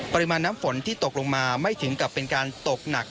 ปริมาณน้ำฝนที่ตกลงมาไม่ถึงกับเป็นการตกหนัก